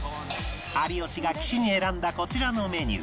有吉が岸に選んだこちらのメニュー